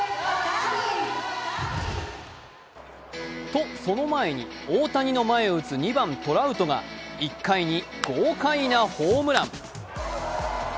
と、その前に大谷の前を打つトラウトが１回に豪華なホームラン。